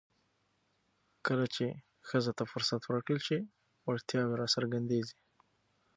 کله چې ښځو ته فرصت ورکړل شي، وړتیاوې راڅرګندېږي.